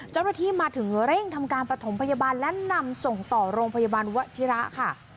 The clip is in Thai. เจ้าหน้าที่มาถึงเร่งทำการประถมพยาบาลและนำส่งต่อโรงพยาบาลวชิระค่ะ